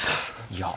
いや。